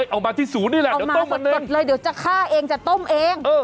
เอามาที่ศูนย์นี่แหละเดี๋ยวมาต้มหมดเลยเดี๋ยวจะฆ่าเองจะต้มเอง